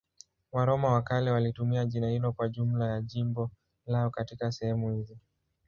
Waroma wa kale walitumia jina hilo kwa jumla ya jimbo lao katika sehemu hizi.